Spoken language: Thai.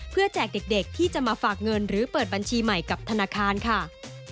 เพื่อแจกเด็กที่จะมาฝากเงินหรือเปิดบัญชีใหม่กับธนาคารค่ะ